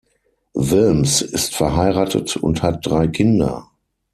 Wilms ist verheiratet und hat drei Kinder.